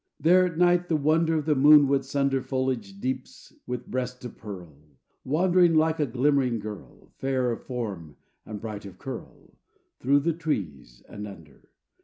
There at night the wonder Of the moon would sunder Foliage deeps with breast of pearl, Wandering like a glimmering girl, Fair of form and bright of curl, Through the trees and under.